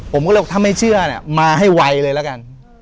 ผมก็เลยถ้าไม่เชื่อเนี่ยมาให้ไวเลยละกัน